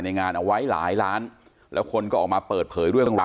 ในงานเอาไว้หลายล้านแล้วคนก็ออกมาเปิดเผยด้วย